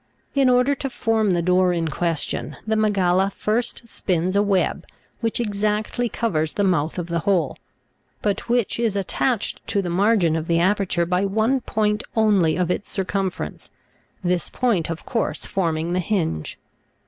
In order to form the door in question, the Mygale first spins a web which exactly covers the mouth of the hole, but which is attached to the margin of the aperture by one point only of its circumference, this point of course forming the hinge.